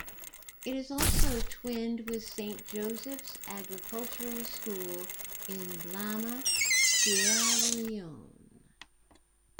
It is also twinned with Saint Joseph's Agricultural School In Blama, Sierra Leone.